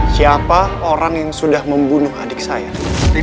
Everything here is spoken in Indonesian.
siapa orang yang sudah membunuh adik saya